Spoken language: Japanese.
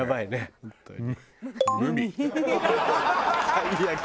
最悪。